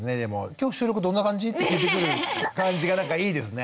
「今日収録どんな感じ？」って聞いてくる感じがなんかいいですね。